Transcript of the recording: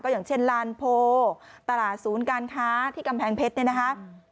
อย่างเช่นลานโพตลาดศูนย์การค้าที่กำแพงเพชรเนี่ยนะคะ